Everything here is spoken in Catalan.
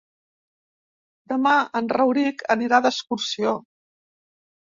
Demà en Rauric anirà d'excursió.